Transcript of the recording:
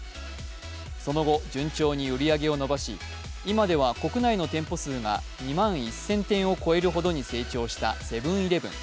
その後、順調に売り上げを伸ばし今では国内の店舗数が２万１０００店を超えるほどに成長したセブン−イレブン。